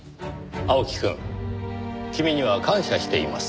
青木くん君には感謝しています。